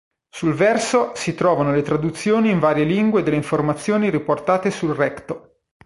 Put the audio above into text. Sul verso si trovano le traduzioni in varie lingue delle informazioni riportate sul recto.